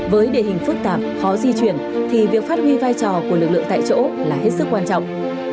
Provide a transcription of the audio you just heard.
với địa hình phức tạp khó di chuyển thì việc phát huy vai trò của lực lượng tại chỗ là hết sức quan trọng